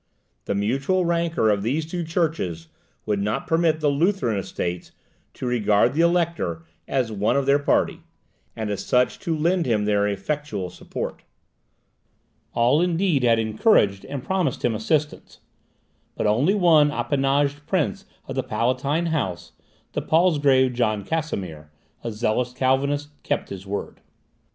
The mutual rancour of these two churches would not permit the Lutheran Estates to regard the Elector as one of their party, and as such to lend him their effectual support. All indeed had encouraged, and promised him assistance; but only one appanaged prince of the Palatine House, the Palsgrave John Casimir, a zealous Calvinist, kept his word.